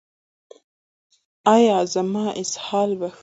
ایا زما اسهال به ښه شي؟